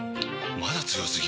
まだ強すぎ？！